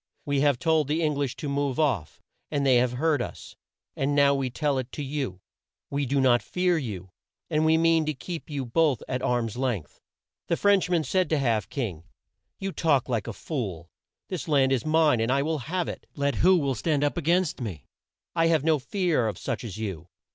We have told the Eng lish to move off, and they have heard us, and now we tell it to you. We do not fear you, and we mean to keep you both at arm's length." The French man said to Half King: "You talk like a fool. This land is mine, and I will have it, let who will stand up a gainst me. I have no fear of such as you.